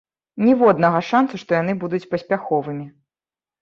Ніводнага шанцу, што яны будуць паспяховымі!